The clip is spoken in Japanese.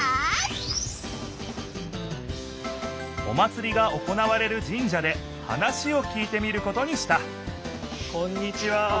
お祭りが行われるじん社で話を聞いてみることにしたこんにちは。